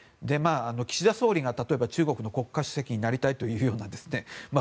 岸田総理が例えば中国の国家主席になりたいというような